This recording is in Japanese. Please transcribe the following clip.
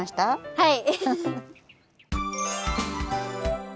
はい！